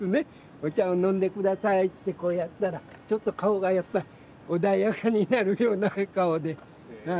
お茶を飲んで下さいってこうやったらちょっと顔がやっぱり穏やかになるような顔で。